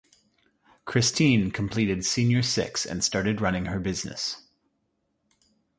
Christine completed Senior Six and started running her business.